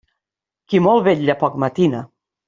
Qui molt vetla, poc matina.